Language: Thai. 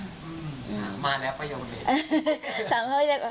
อืมมาแล้วประโยชน์เลย